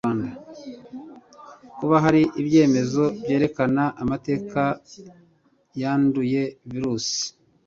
Kuba hari ibyemezo byerekana amateka yanduye virusi.